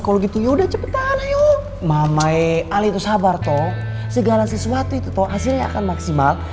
kalo itu sabar toh segala sesuatu itu toh hasilnya akan maksimal